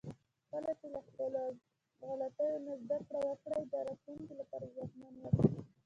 کله چې له خپلو غلطیو نه زده کړه وکړئ، د راتلونکي لپاره ځواکمن یاست.